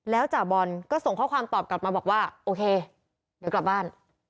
แล้วจ่าบอลก็ส่งข้อความตอบกลับมาบอกว่าโอเคเดี๋ยวกลับบ้าน